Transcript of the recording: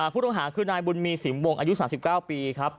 ผู้ต้องหาคือนายบุญมีสิมวงอายุ๓๙ปีครับ